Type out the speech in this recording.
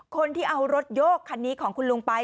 คนที่เอารถโยกคันนี้ของคุณลุงไป